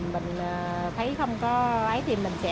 mình thấy không có ấy thì mình sẽ